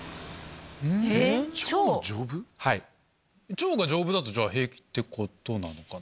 腸が丈夫だと平気ってことなのかな？